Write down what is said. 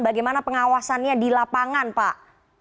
bagaimana pengawasannya di lapangan pak